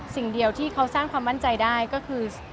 สิ่งเดียวที่เขาสร้างความมั่นใจได้ก็คือ